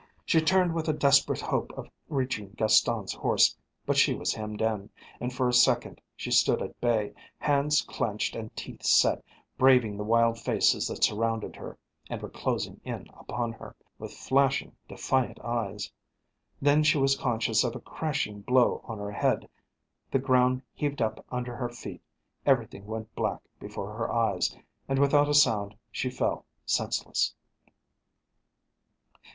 She turned with a desperate hope of reaching Gaston's horse, but she was hemmed in, and for a second she stood at bay, hands clenched and teeth set, braving the wild faces that surrounded her, and were closing in upon her, with flashing defiant eyes. Then she was conscious of a crashing blow on her head, the ground heaved up under her feet, everything went black before her eyes, and without a sound she fell senseless.